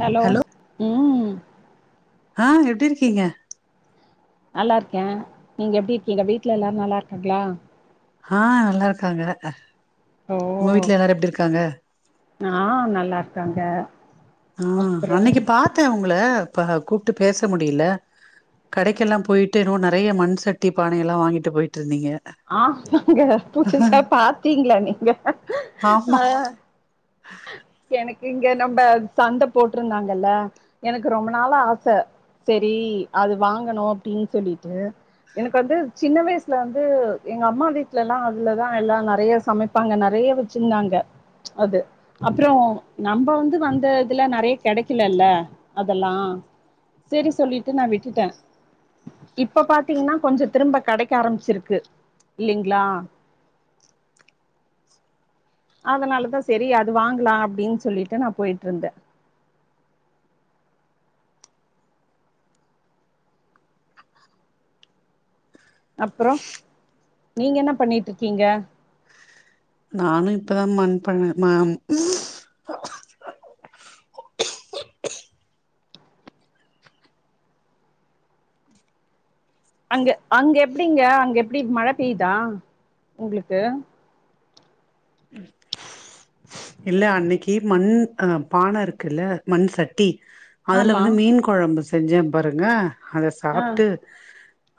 Hello ம் ஆ எப்டி இருக்கீங்க நல்லா இருக்கேன் நீங்க எப்டி இருக்கீங்க வீட்ல எல்லாரு நல்லா இருக்காங்களா ஆஹ நல்லா இருக்காங்க ஓ உங்க வீடல எல்லாரு எப்டி இருக்காங்க ஆ நல்லா இருக்காங்க ஆ அப்றோ அன்னக்கி பாத்த உங்கள ப கூப்ட்டு பேச முடில கடைக்கெல்லாம் போய்ட்டு என்னவோ நறைய மண் சட்டி பானையெல்லா வாங்கிட்டு போயிட்டிருந்தீங்க ஆமாங்க புசசா பாத்தீங்களா நீங்க ஆமா ஆ எனக்கு இங்க நம்ப சண்ட போட்ருந்தாங்கல எனக்கு ரொம்பனாளா ஆச செரி அது வாங்கணு அப்டின் சொல்லிட்டு எனக்கு வந்து சின்ன வயசுல வந்து எங்க அம்மா வீட்லல்லா அதுலதா எல்லாம் நெறைய சமை ப்பாங்க நறைய வெச்சிருந்தாங்க அது அப்றோ நம்ப வந்து வந்த இதுல நெறைய கெடைக்கலல்ல அதெல்லா சேரி சொல்லிட்டு நா விட்டுட்ட இப்ப பாத்தீங்கன்னா கொஞ்சோ திரும்ப கடைக்க ஆரம்பிச்சிருக்கு இல்லலைங்களா அதனாலதா செரி அது வாங்கலா அப்டின்னு சொல்லிட்டு நா போயிட்டு இருந்த அப்றோ நீங்க என்ன பண்ணிட்டு இருக்கீங்க நானு இப்பதா மண் பண்ண மேம் அங்க அங்க எப்டிங்க அங்க எப்டி மழ பெய்தா உங்களுக்கு இல்ல அன்னைக்கி மண் அ பான இருக்குல்ல மண் சட்டி அதுல ஆமா வந்து மீன் கொ கொழம்பு செஞ்சே பாருங்க அத ஆ சாப்ட்டு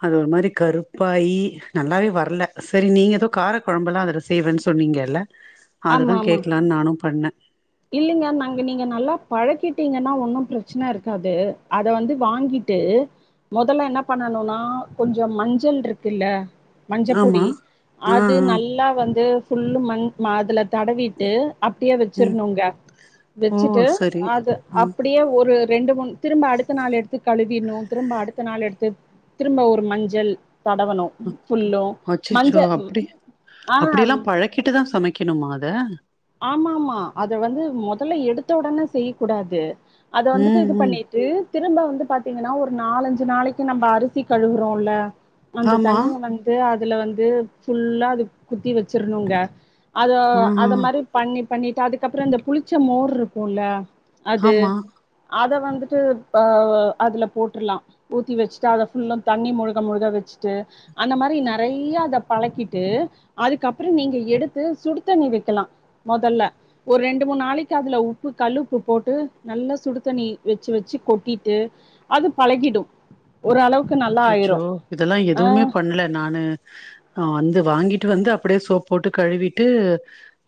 அது ஒரு மாரி கருப்பாயி நல்லாவே வரல சரி நீங்க ஏதோ கார கொழம்பல்லா அதல செய்வேன்னு சொன்னீங்கல்ல [unintelligible] அது தா கேக்லான்னு நானு பண்ண இல்லிங்க நாங்க நீங்க நல்லா பழக்கிட்டீங்கன்னா ஒன்னு பிரச்சன இருக்காது அத வந்து வாங்கிட்டு மொதல்ல என்ன பண்ணனுனா கொஞ்சோ மஞ்சள் இருக்குல்ல மஞ்ச ஆமா பொடி ஆ ஆ அது நல்லா வந்து ஃபுல்லும் மண் அதுல தடவிட்டு அப்டியே வச் ம் வெச்சிருனுங்க ஓ வெச்சுட்டு சரி அது ம் அப்புடியே ஒரு ரெண்டு மூணு திரும்ப அடுத்த நாள் எடுத்து கழுவிர்ணு திரும்ப அடுத்த நாள் எடுத்து திரும்ப ஒரு மஞ்சள் தடவணும் ஃபுல்லு மஞ்ச அச்சச்சோ ஆ ஹா ம் கிட்டு தா சமைக்கணுமா அத ஆமா ஆமா அத வந்து மொதல்ல எடுத்த ஒடனே செய்ய கூடாது அத வந்துட்டு ம் இது ம் பண்ணி திரும்ப வந்து பாத்தீங்கன்னா ஒரு நாலஞ்சு நாளைக்கு நம்ப அரிசி கழுவுறோம்ல அந்த ஆமா தண்ணிய வந்து அதுல வந்து ஃபுல்லா அது ஊத்தி வெச்சிருணுங்க அத ஆ ஆ அத மாரி பண்ணி பண்ணிட்டு அதுக்கப்றோ இந்த புளிச்ச மோர் இருக்குல்ல அது ஆமா அத வந்துட்டு அ அதுல போட்ரலா ஊத்தி வெச்சுட்டு அத ஃபுல்லும் தண்ணி முழுகா முழுகா வெச்சுட்டு அந்த மாரி நறைய ஃப்ரியா அத பழக்கிட்டு அதுக்கப்றோ நீங்க எடுத்து சுடு தண்ணி வெக்கலா மொதல்ல ஒரு ரெண்டு மூணு நாளைக்கு அதுல உப்பு கல்லு உப்பு போட்டு நல்லா சுடுதண்ணி வெச்சு வெச்சு கொட்டிட்டு அது பழகிடும் ஒரளவுக் அச்சசசோ இதெல்லா எதுவுமே பண்ணல நானு நா வந்து வாங்கிட்டு வந்து அப்டியே சோப் போட்டு கழுவிட்டு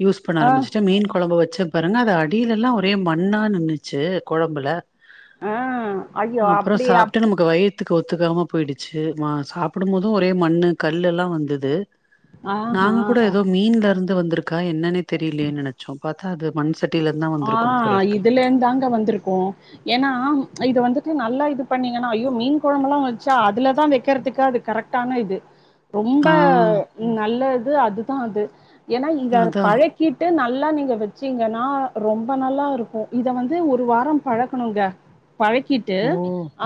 யூஸ் பண்ண ஆ ஆரம்பிச்சுட்டே மீன் கொழம்பு வச்ச பாருங்க அது அடிலெல்லா ஒரே மண்ணா நின்னுச்சு கொழம்புல ஆ ஐயோ அப்றோ அப்டி சாப்ட்டு அப் நமக்கு வயிர் ஒத்துக்காம போயிடுச்சி மா சாப்புடும் போதும் ஒரே மண்ணு கல்லெல்லா வந்தது ஆஹா நாங்க கூடோ ஏதோ மீன்ல இருந்து வந்திருக்கா என்னன்னே தெரிலயேன்னு நெனைச்சோ பாத்தா அது மண்சட் ஆ இதுலேந்தாங்க வந்திருக்கு ஏன்னா இது வந்துட்டு நல்லா இது பண்ணீங்கன்னா ஐயோ மீன் கொழம்பல்லா வச்சா அதுலதா வெக்கறதுக்கு அது கரெட் டான இது ரொம்ப ஆ நல்லது அதுதா அது ஏன்னா இத அதா பழக் கிட்டு நல்லா நீங்க வெச்சிங்கன்னா ரொம்ப நல்லா இருக்கு இத வந்து ஒரு வாரோ பழக்கணுங்க பழக்கிட் ட்டு ஓ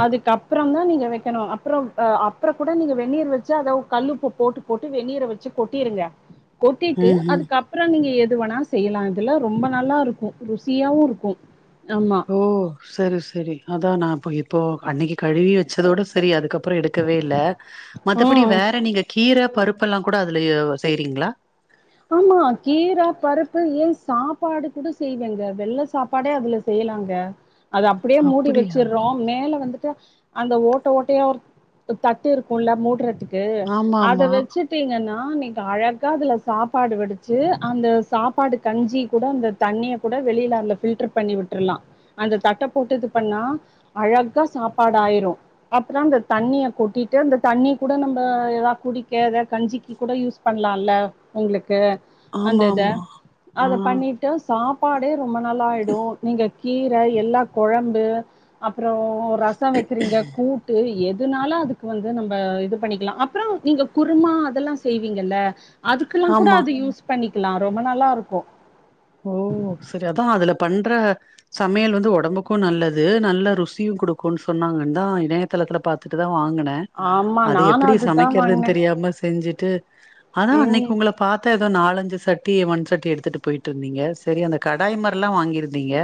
அதுக்கப் றோந்தா நீங்க வெக்கணு அப்றோ அப்றோ கூட நீங்க வெண்ணீர் வச்சு அத கல்லுப்பு போட்டு போட்டு வெண்ணீர் வச்சு கொட்டிருங்க கொட்டிட்டு ம்ஹும் அதுக்கப்பறோ நீங்க எது வேணா செய்யலா இதுல ரொம்ப நல்லா இருக் கு ருசியாவு இருக்கு, ஆமா ஓ சரி சரி அதா நா அப்போ இப்போ அன்னைக்கி கழுவி வச்சதோட சரி அதுக்கப் பற எடுக்கவே இல்ல மத்தபடி ம். வேற நீங்க கீர பருப்பெல்லா கூட அதுல செய்றீங்களா ஆமா கீர பருப்பு ஏ சாப்பாடு கூட செய்வேங்க வெள்ள சாப்பாடே அதுல செய்யலாங்க அது அப்டியே மூடி அப்படியா வச்சிட்றோ மேல வந்துட்டு அந்த ஓட்ட ஓட்டையா ஒரு தட்டு இருக்குல்ல மூட்றத்துக் கு ஆமா அத ஆமா வச்சுட்டீங்கனா நீங்க அழகா அதுல சாப் பாடு வடிச்சு அந்த சாப்பாடு கஞ்சி கூட அந்த தண்ணிய கூட வெளில அதுல ஃபில்டர் பண்ணி விட்டுருலா அந்த தட்ட போட்டு இது பண்ணா அழகா சாப்பாடு ஆயிரு அப்பறோ இந்த தண்ணிய கொட்டிட்டு அந்த தண்ணி கூட நம்ம ஏதாவது குடிக்க ஏதா கஞ்சிக்கு கூட யூஸ் பண்ணலான்ல உங்களுக்கு அந்த ஆமா இத ஆமா ஆ அத பண்ணிட் டா சாப்பாடே ரொம்ப நல்லா ஆயிடு நீங்க கீரை எல்லா கொழம்பு அப்பறோ ரசம் வைக்கறீங்க கூட்டு எ துனாலு அதுக்கு வந்து நம்ம இது பண்ணிக்கலா, அப்பறோ நீங்க குருமா அதெல்லா செய்வீங்கல்ல அதுக் ககுல்லா கூட ஆமா அது யூஸ் பண்ணிக்லா ரொம்ப நல்லா இருக்கு ஓ சரி அதா அதுல பண்ற சமையல் வந்து ஒடம்புக்கு நல்லது நல்ல ருசியு குடுக்குன்னு சொன்னாங்கன்னுதா இணைய த்தலத்துல பாத்துட்டுதா வாங்கினே ஆமா அது நானு எப்படி அதுதா சமைக்கிறதுனு வாங்குனே தெரியாம செஞ்சுட்டு அதா அன்னைக்கு ம் உங்களை பாத்த ஏதோ நாலஞ்சு சட்டிய மண் சட்டி எடுத்துட்டு போயிட் டு இருந்தீங்க சேரி அந்த கடாய் மாரில்லா வாங்கிருந்தீங்க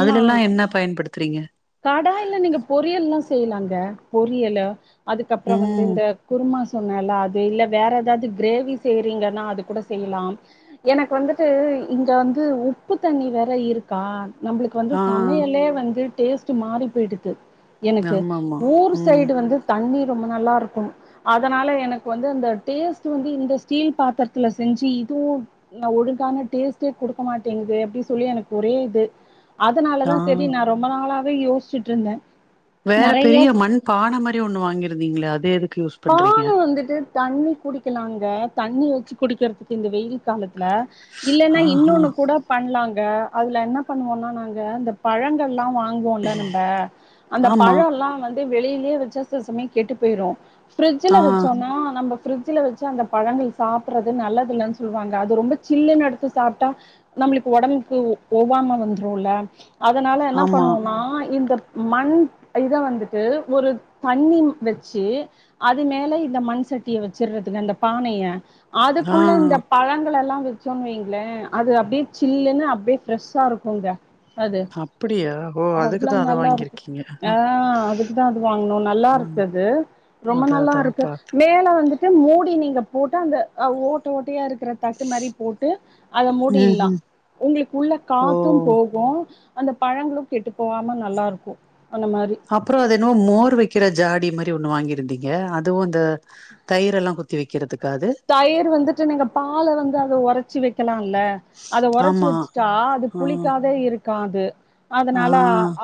அதுல எல்லாம் என்ன பயன்படுத்துறீங்க கடாயில நீங்க பொரியல்லா செய்யலாங்க பொரியலு அதுக்கப்பறோ வந்து ம் இந்த குருமா சொன்னேல்ல அது இல்ல வேற ஏதாவது கிரேவி செய்றீங்கனா அது கூட செய்யலா எனக்கு வந்துட்டு இங்க வந்து உப்பு தண்ணி வேற இருக்கா நம்ளுக்கு வந்து ஆ சமையலே வந்து டேஸ்ட் மாறி போயிடுது எனக்கு ஆமாமா ஊர் ம் சைடு வந்து தண்ணி ரொம்ப நல்லா இருக்கு அதனால எனக்கு வந்து அந்த டேஸ்ட் வந்து இந்த ஸ்டீல் பாத்திரத்துல செஞ்சு இதுவு நா ஒழுங்கான டேஸ்ட்டே குடுக்க மாட்டேங்குது அப்டின்னு சொல்லி எனக்கு ஒரே இது ஆ அதனாலதா சேரி நா ரொம்ப நாளாவே யோசிச்சுட்டுருந்த வேற பெரிய மண் பான மாரி ஒண்ணு வாங்கிருந்தீங்களே அது எதுக் பான வந்துட்டு தண்ணி குடிக்கலாங்க தண்ணி வச்சு குடிக்கறதுக்கு இந்த வெயில் காலத்துல இல்லன்னா ஆஹா இன்னொன்னு கூட பண்ணலாங்க அதுல என்ன பண்ணுவோன்னா நாங்க இந்த பழங்கள்லா வாங்குவோல நம்ப அந்த ஆமா பழோல்லா வந் து வெளியிலேயே வச்சா சில சமயம் கெட்டு போயிரும் ஃபிரிட்ஜ்ல ஆ வச்சோனா நம்ப ஃபிரிட்ஜ்ல வச்சு அந்த பழங்கள் சாப்பட்றது நல்லது இல்லைன்னு சொல்லுவாங்க அது ரொம்ப சில்லுன்னு எடுத்து சாப்ட்டா நம்மளுக்கு ஒடம்புக்கு ஒவ்வாம வந்துரும்ல அதனால என்ன ஆமா பண்ணுவோனா இந்த மண் இத வந்துட்டு ஒரு தண்ணி வச்சு அது மேல இந்த மண் சட்டிய வச்சிட்றதுங்க அந்த பானைய ஆ அதுக்குள்ள இந்த பழங்கள் எல்லா வச்சோன்னு வைங்களே அது அப்டியே சில்லுன்னு அப்டியே ஃப்ரெஷ்ஷா இருக்குங்க அது அப்டியா ஓ அவ்ளோ அதுக்குதா அத நல்லா இருக்கு வாங்கிருக்கீங்க ஆ அதுக்குதா அது வாங்குனோ நல்லா இருக்கு ம் அது து ரொம்ப அதா நல்லா அதா இருக்கு பாத்தே மேல வந்துட் ட்டு மூடி நீங்க போட்டு அந்த அ ஓட்ட ஓட்டையா இருக்கிற தட்டு மாரி போட்டு அத ம் மூடிலா ம் உங்களுக்குள்ள காத்தும் ஓ போகு அந்த பழங்களும் கெட்டு போகாம நல்லாருக்கு அந்த மாரி அப்றோ அது எதோ மோர் வை வைக்கிற ஜாடி மாரி ஒண்ணு வாங்கிருந்தீங்க அதுவு அந்த தயிர் எல்லா குத்தி வைக்கிறதுக்காது தயிர் வந்துட்டு நீங்க பால வந்து அத ஒரைச்சி வைக்கலால அத ஒரைச்சி ஆமா வச்சுட்டா அது ஆ புளிக்காதே இருக்காது ஆ அதனால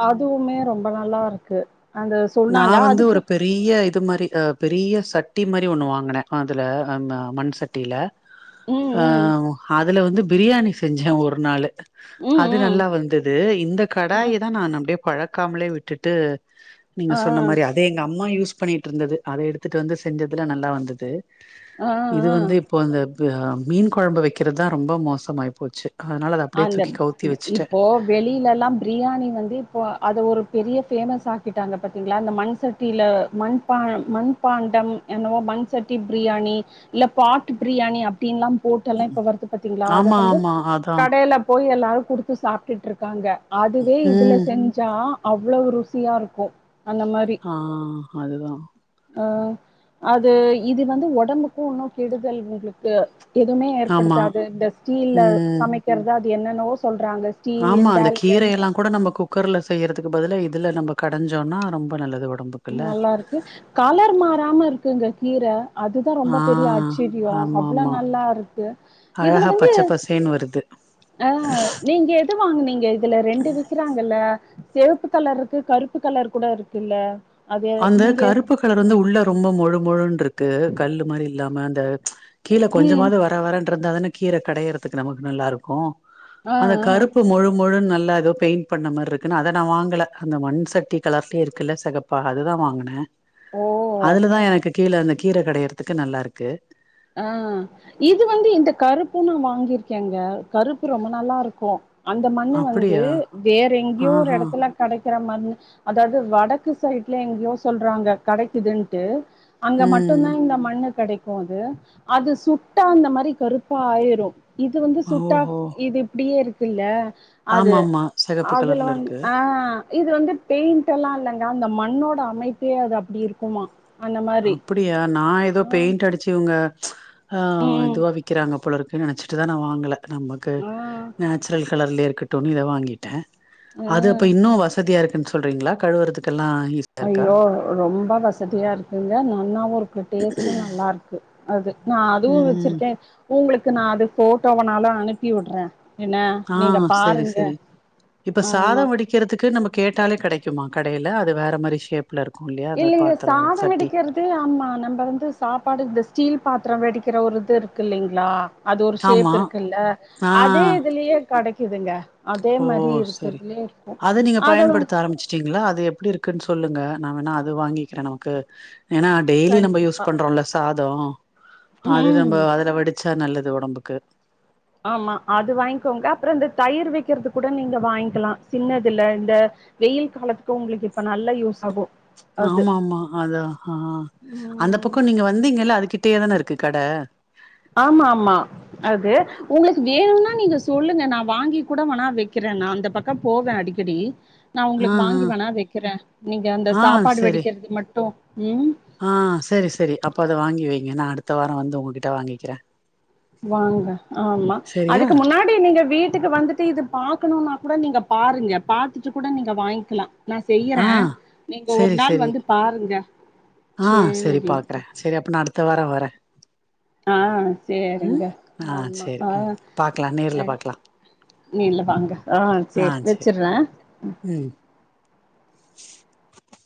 அதுவுமே ரொம்ப நல்லாருக்கு அந்த நா சொன்னாங்க வந்து அதுக்கு ஒரு பெரு பெரிய இது மாரி அ பெரிய சட்டி மாரி ஒண்ணு வாங்குனே அதில மண் சட்டில ம் ஆ ம் அதுல வந்து பிரியாணி செஞ்சே ஒரு நாளு அது ம் நல்லா வந்தது இந்த ம் கடாயீதா நா அப்டியே பழக்காமலே விட்டுட்டு நீங்க ஆ சொன்ன ஆ மாரி அத எங்க அம்மா யூஸ் பண்ணிட்டு இருந்தது அத எடுத்துட்டு வந்து செஞ்சதுல நல்லா வந்தது ஆ இது ஆ வந்து இப்போ அந்த அ மீன் குழம்பு வைக்றது தா ரொம்ப மோசமாய் போச்சு அதனால அத அப்டியே தூக்கி கவுத்தி வச்சுட்டே வெளியிலல்லா பிரியாணி வந்து இப்போ அது ஒரு பெரிய பேமஸ் ஆக்கிட்டாங்க பத்தீங்ளா இந்த மண்சட் சட்டில மண்பான மண்பாண்டம் என்னவோ மண் சட்டி பிரியாணி இல்ல பாட்டு் பிரியாணி அப்டீன்ல்லா போட்டு எல்லா இப்ப வருது பாத்தீங்ளா அத வந்து ஆ அதா மேல போய் எல்லாரு குடுத்து சாப்ட்டுட்ருக்காங்க அதுவே இதுல ம் செஞ் ஞ்சா அவ்ளோவு ருசியாருக்கு அந்த மாரி ஆ அதுதா ஆ அது இது வந்து ஒடம்புக்கு இன்னு கெடுதல் உங்ளுக்கு எதுமே ஆமா ஏற்படுத்தாது இந்த ஸ்டீல்ல ம் சமைக்கறது அது என்னேன்னவோ சொல்றாங்க ஸ்டீல் ஆமா அந்த இண்டாலியம் கீரையெல்லா கூட நம்ம குக்கர்ல செய்யறதுக்கு பதில இதில நம்ம கடைஞ்சோன்னா ரொம்ப நல்லது ஒடம்புக் நல்லாருக்கு கலர் மாறாம இருக்குங்க கீர அதுதா ரொம்ப ஆ பெரிய ஆச்சிரியோ ஆமா அவ்ளோ ஆமா நல்லாருக்கு இதுல அழகா வந்து பச்ச பசேன்னு வருது ஆ நீங்க எது வாங்கினிங்க இதுல ரெண்டு விக்கிறாங்கல்ல செவப்பு கலர் இருக்கு கருப்பு கலர் கூட இருக்குல்ல அது அந்த நீங்க கருப்பு கலர் வந்து உள்ள ரொம்ப மொழு மொழுன்றுக்கு கல்லு மாரி இல்லாம அந்த கீழ ம் கொஞ்சமாது வர வறேன்ருந்தா தான கீர கடையறத்துக்கு நமக்கு நல்லாருக்கு ஆ அந்த ஆ கருப்பு மொழு மொழுன் நல்லா ஏதோ பெயிண்ட் பண்ண மார்ருக்குனு அத நா வாங்கல அந்த மண் சட்டி கலர்லேயே இருக்குல செகப் ப்பா அதுதா வாங்குனே ஓ அதுலதா எனக்கு கீழ அந்த கீர கடையரதுக்கு நல்லாருக்கு ஆ இது வந்து இந்த கருப்பு நா வாங்கிருக்கேங்க கருப்பு ரொம்ப நல்லாருக்கு அந்த மண்ணு வந்து அப்படியா வேற எங்யோ ஒரு ஆஹா எடத்துல கடைக்கிற மண்ணு அதாது வடக்கு சைட்ல எங்யோ சொல்றாங்க கடைக்குதுன்ட்டு அங்க மட்டுதா ம் இந்த மண்ணு கெடைக்கு அது அது சுட்டா அந்த மாரி கருப்பா ஆயிரு இது வந்து சுட்டா ஓஹோ இது இப்டியே இருக்குல்ல அது ஆமா ஆமா செகப்பு அதுல கலர்ல வந்து இருக்கு ஆ இது வந்து பெயிண்ட்டெல்லா இல்லங்க அந்த மண்ணோட அமைப்பே அது அப்டி இருக்குமா அந்த மாரி அப்படியா நா ஏதோ ஆ பெயிண்ட் அடிச் சு இவுங்க ஆ ம் இதுவா விக்கிறாங்க போல இருக்கு நனைச்சிட்டுதா நா வாங்கல நமக்கு ஆ நேச்சுரல் கலர்லயே இருக்கட்டுனு இத வாங்கிட்ட ஆ அது அப்ப இன்னு வசதியா இருக்குன்னு சொ சொல்றீங்களா கழுவுறதுக்கெல்லா ஈஸியா இருக்கா ஐயோ ரொம்ப வசதியா இருக்குங்க நன்னாவு இருக்கு டேஸ்ட்டு நல்லா இருக் கு அது நா அதுவு ம் ம் வச்சிருக்கே உங்களுக்கு நா அது ஃபோட்டோ வேனாலு அனுப்பி விடுற என்ன ஆ நீங்க பாருங்க ஆமா அச்சரத்துக்கு நம்ம கேட்டாலே கடைக்குமா கடையில அது வேற மாரி ஷேப்ல இருக்கு இல்லையா அந்த பாத்தரோ சட்டி ந்து ஆமா நம்ப வந்து சாப்பாடு இந்த ஸ்டீல் பாத்ரோ வடிக்கிற ஒரு இது இருக்கு இல்லைங்களா அது ஒரு ஷேப் ஆமா இருக்குல்ல ஆ அதே இதுலயே கடைக்குதுங்க அதே ஓ மாரி இருக்குறதலே இருக்கு அதலு சிங்களா அது எப்டி இருக்குன்னு சொல்லுங்க நா வோன்னா அது வாங்கிக்கிற நமக்கு ஏன்னா டெய்லி நம்ம யூஸ் கண்டிப்பா பண்றோம் இல்ல சாதோ அது ம் நம்ம அதுல வடிச்சா நல்லது ஒடம்புக்கு ஆமா அது வாங்கிக்கோங்க அப்புறோ இந்த தயிர் வைக்கறது கூட நீங்க வாங்கிக்கலா‌ சின்னதுல இந்த வெயில் காலத்துக்கு உங்களுக்கு இப்ப நல்ல யூஸ் ஆகு ஆமா ஆமா அதா ஆ அந்த ம் பக்க நீங்க வந்தீங்கல்ல அதுகிட்டயே தான இருக்கு கட ஆமா ஆமா அது உங்களுக்கு வேணுனா நீங்க சொல்லுங்க நா வாங்கி கூட வேணா வைக்கிற நா அந்த பக்கம் போவ அடிக்கடி நான் ஆ உங்களுக்கு வாங்கி வேணா வைக்கிற நீங்க அந்த ஆ ஆ சாப்பாடு சரி வடிக்கிறது மட்டு ம் ஆ சேரி சேரி அப்போ அத வாங்கி வைங்க நா அடுத்த வாரோ வந்து உங்ககிட்ட வாங்கிக்கிற வாங்க ஆமா சரியா அதுக்கு முன்னா டி நீங்க வீட்டுக்கு வந்துட்டு இது பாக்கணுனா கூட நீங்க பாருங்க பாத்துட்டு கூட நீங்க வாங்கிக்கலா நா செய்யற ஆ நீங்க ஒரு செரி நாள் செரி வந்து பாருங்க சேரி அப்ப நா அடுத்த வாரோ வர ஆ சேரிங்க ஆ ஆமா செரி ஆ ம் பாக்கலா நேர்ல சேரி பாக்கலா நீல்ல வாங்க ஆ சேரி வச்சிற ம்